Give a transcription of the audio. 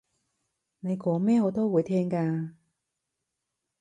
你講咩我都會聽㗎